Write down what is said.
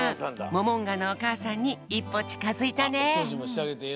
モモンガのおかあさんに１ぽちかづいたね。